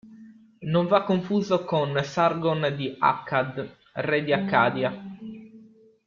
Non va confuso con Sargon di Akkad, re di Accadia.